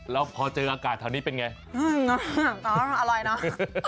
แล้วพอเจออากาศแถวนี้เป็นไงอร่อยเนาะ